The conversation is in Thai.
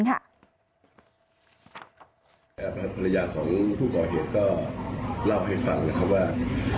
ภรรยาของผู้ก่อเหตุก็เล่าให้ฟังนะครับว่า